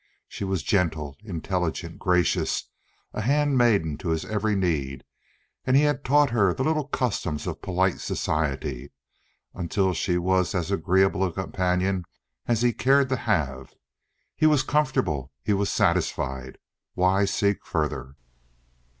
She was gentle, intelligent, gracious, a handmaiden to his every need; and he had taught her the little customs of polite society, until she was as agreeable a companion as he cared to have. He was comfortable, he was satisfied—why seek further?